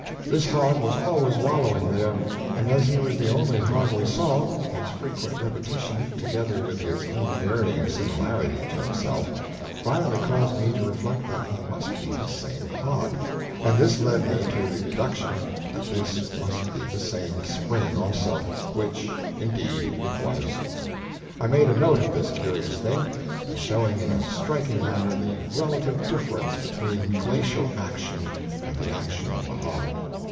This hog was always wallowing there, and as he was the only hog we saw, his frequent repetition, together with his unvarying similarity to himself, finally caused me to reflect that he must be the same hog, and this led me to the deduction that this must be the same spring, also which indeed it was. I made a note of this curious thing, as showing in a striking manner the relative difference between glacial action and the action of the hog.